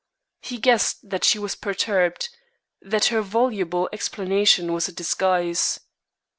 He guessed that she was perturbed that her voluble explanation was a disguise.